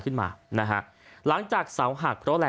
โปรดติดตามต่อไป